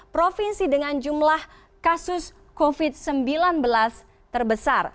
provinsi dengan jumlah kasus covid sembilan belas terbesar